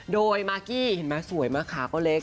โดยมากกี้เห็นมั้ยสวยมั้ยค่ะก็เล็ก